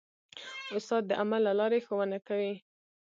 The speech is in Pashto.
استاد د عمل له لارې ښوونه کوي.